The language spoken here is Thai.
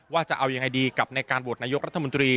จะเอายังไงดีกับในการโหวตนายกรัฐมนตรี